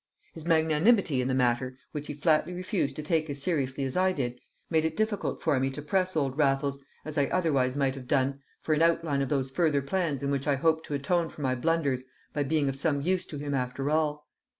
His magnanimity in the matter, which he flatly refused to take as seriously as I did, made it difficult for me to press old Raffles, as I otherwise might have done, for an outline of those further plans in which I hoped to atone for my blunders by being of some use to him after all.